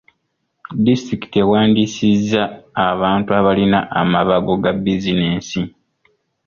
Disitulikiti ewandiisizza abantu abalina amabago ga bizinensi.